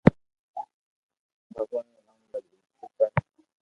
بڀگوان رو نوم ليتو ڪر